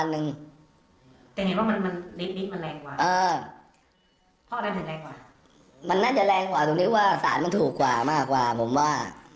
มันน่าจะแรงกว่าตรงที่ว่าสารมันถูกกว่ามากกว่าผมว่า